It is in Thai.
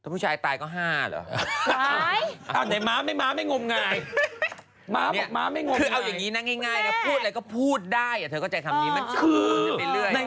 คือเอาอย่างงี้นะง่ายนะพูดอะไรก็พูดได้อะเธอก็ใจคำนี้มันจะเป็นเรื่อย